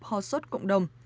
ho sốt cộng đồng